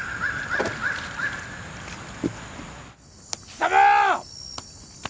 貴様！